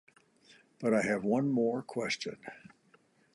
But I have one more question ...